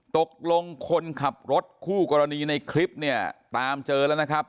ตกลงคนขับรถคู่กรณีในคลิปเนี่ยตามเจอแล้วนะครับ